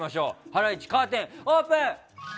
ハライチ、カーテンオープン！